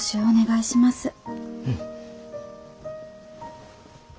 お願いします。